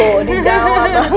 tuh dijawab langsung